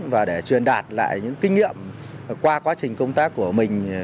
và để truyền đạt lại những kinh nghiệm qua quá trình công tác của mình